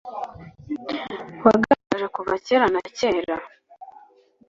wagaragaje kuva kera na kare